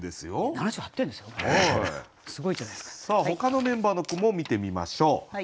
ほかのメンバーの句も見てみましょう。